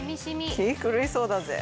「気狂いそうだぜ」